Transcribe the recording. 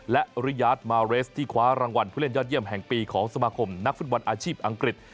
และริยาทมาเรสที่คว้ารางวัลผู้เล่นยอดเยี่ยมแห่งปีของสมาคมนักฟุตบอลอาชีพอังกฤษ